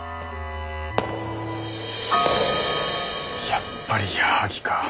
やっぱり矢作か。